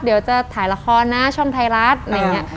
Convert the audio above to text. เดี๋ยวจะถ่ายละครนะช่องไทยรัฐอะไรอย่างนี้